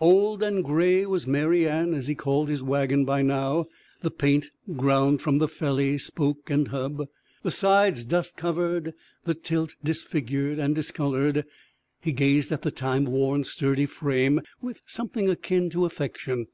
Old and gray was Mary Ann, as he called his wagon, by now, the paint ground from felly, spoke and hub, the sides dust covered, the tilt disfigured and discolored. He gazed at the time worn, sturdy frame with something akin to affection.